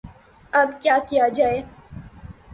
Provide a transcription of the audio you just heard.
اب کیا کیا جائے؟